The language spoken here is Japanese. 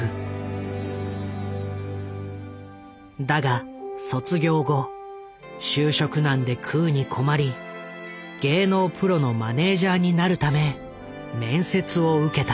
だが卒業後就職難で食うに困り芸能プロのマネージャーになるため面接を受けた。